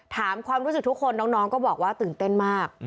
ถามความรู้สึกทุกคนน้องก็บอกว่าตื่นเต้นมาก